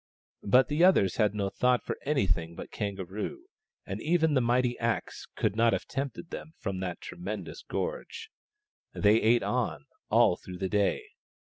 But the others had no thought for anything but Kangaroo, and even the mighty axe could not have tempted them from that tremendous gorge. They ate on, all through the day.